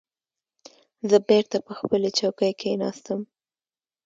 زه بېرته پر خپلې چوکۍ کېناستم.